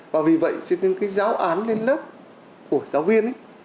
và vì vậy cho nên cái giáo án lên lớp của giáo viên ấy